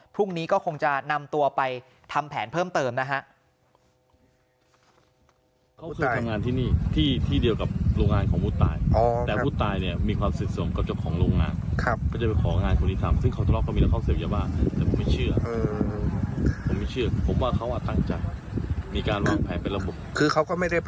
พรุ่งนี้ก็คงจะนำตัวไปทำแผนเพิ่มเติมนะฮะ